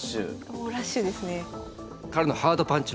猛ラッシュですね。